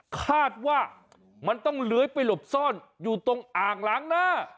คาดว่ามันต้องเลื้อยไปหลบซ่อนอยู่ตรงอ่างล้างหน้า